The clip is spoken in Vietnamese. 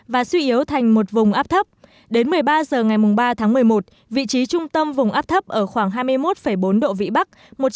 và suy yếu thành một vùng áp thấp đến một mươi ba h ngày ba tháng một mươi một vị trí trung tâm vùng áp thấp ở khoảng hai mươi một bốn độ vĩ bắc